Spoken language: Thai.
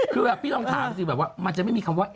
คือพี่ต้องถามสิมันไม่มีคำว่าแอมป์